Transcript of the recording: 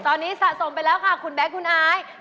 ตอนนี้สะสมไปแล้วค่ะคุณแบ็คคุณอาย